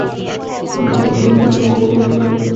অনেকগুলি প্রশ্নের জবাব পাওয়া যাচ্ছে না।